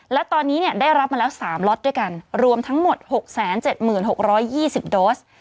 และตอนนี้ได้รับมาแล้ว๓ล็อตด้วยกันรวมทั้งหมด๖๗๖๒๐โดส